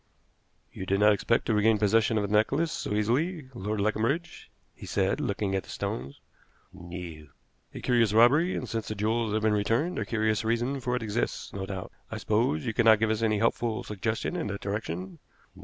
"You did not expect to regain possession of the necklace so easily, Lord Leconbridge," he said, looking at the stones. "No." "A curious robbery, and, since the jewels have been returned, a curious reason for it exists, no doubt. I suppose you cannot give us any helpful suggestion in that direction?"